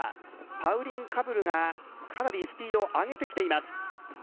パウリン・カムルがかなりスピードを上げてきています